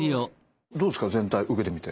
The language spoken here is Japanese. どうですか全体受けてみて。